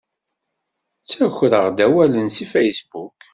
Ttakreɣ-d awalen si Facebook.